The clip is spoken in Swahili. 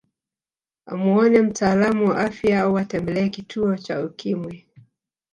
Amuone mtaalamu wa afya au atembelee kituo cha Ukimwi